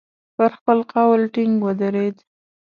پر خپل قول ټینګ ودرېد.